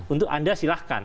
untuk anda silahkan